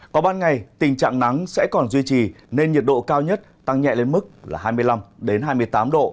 có ban ngày tình trạng nắng sẽ còn duy trì nên nhiệt độ cao nhất tăng nhẹ lên mức là hai mươi năm hai mươi tám độ